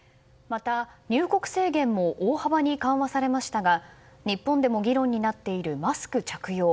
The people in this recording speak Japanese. また、入国制限も大幅に緩和されましたが日本でも議論になっているマスク着用